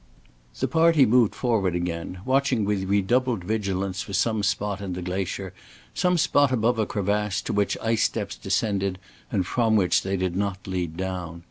The party moved forward again, watching with redoubled vigilance for some spot in the glacier, some spot above a crevasse, to which ice steps descended and from which they did not lead down.